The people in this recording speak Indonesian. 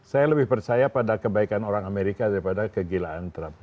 saya lebih percaya pada kebaikan orang amerika daripada kegilaan trump